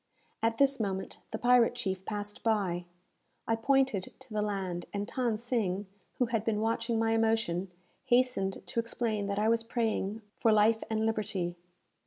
At this moment the pirate chief passed by. I pointed to the land, and Than Sing, who had been watching my emotion, hastened to explain that I was praying for life and liberty.